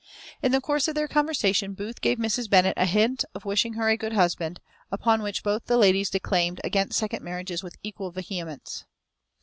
In the course of their conversation Booth gave Mrs. Bennet a hint of wishing her a good husband, upon which both the ladies declaimed against second marriages with equal vehemence.